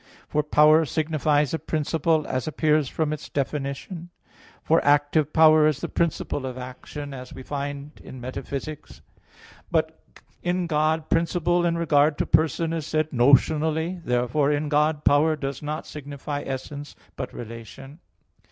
For power signifies a principle, as appears from its definition: for active power is the principle of action, as we find in Metaph. v, text 17. But in God principle in regard to Person is said notionally. Therefore, in God, power does not signify essence but relation.